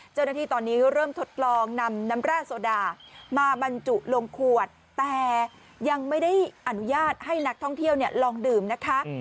เจ้าหน้าที่ตอนนี้เริ่มทดลองนำน้ำแร่โซดามาบรรจุลงขวดแต่ยังไม่ได้อนุญาตให้นักท่องเที่ยวลองดื่มนะคะ